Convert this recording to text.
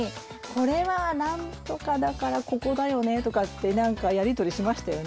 これは何とかだからここだよねとかって何かやり取りしましたよね。